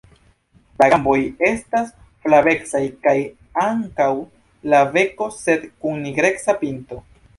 La gamboj estas flavecaj kaj ankaŭ la beko, sed kun nigreca pinto.